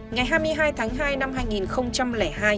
ngày hai mươi hai tháng hai năm hai nghìn hai